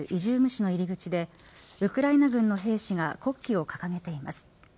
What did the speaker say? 市の入り口でウクライナ軍の兵士が国旗を掲げています。